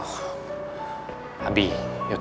terus bu hops